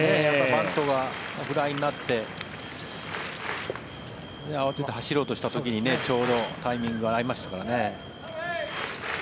バントがフライになって慌てて走ろうとした時にちょうどタイミングが合いましたからね。